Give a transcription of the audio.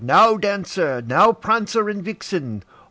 now, Dancer! now, Prancer and Vixen!